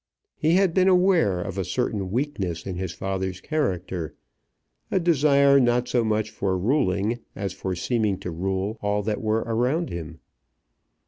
He had been aware of a certain weakness in his father's character, a desire not so much for ruling as for seeming to rule all that were around him.